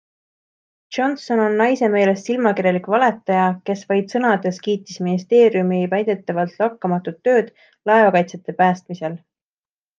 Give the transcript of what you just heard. Johnson on naise meelest silmakirjalik valetaja, kes vaid sõnades kiitis ministeeriumi väidetavalt lakkamatut tööd laevakaitsjate päästmisel.